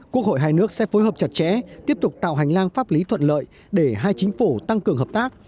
quốc hội hai nước sẽ phối hợp chặt chẽ tiếp tục tạo hành lang pháp lý thuận lợi để hai chính phủ tăng cường hợp tác